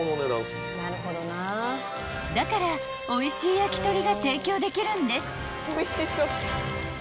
［だからおいしい焼き鳥が提供できるんです］